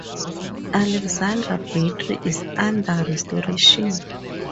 Alexandra Battery is under restoration.